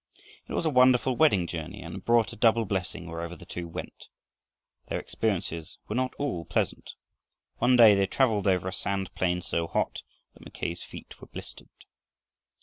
It was a wonderful wedding journey and it brought a double blessing wherever the two went. Their experiences were not all pleasant. One day they traveled over a sand plain so hot that Mackay's feet were blistered.